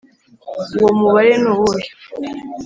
Uwo mubare nuwuhe